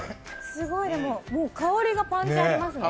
すごいもう、香りがパンチありますね。